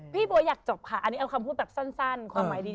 บัวอยากจบค่ะอันนี้เอาคำพูดแบบสั้นความหมายดี